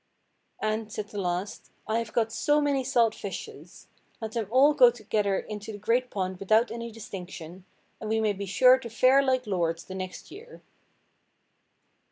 "And," said the last, "I have got so many salt fishes. Let them all go together into the great pond without any distinction, and we may be sure to fare like lords the next year."